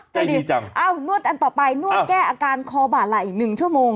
ใจดีจังนวดอันต่อไปนวดแก้อาการคอบ่าไหล่๑ชั่วโมง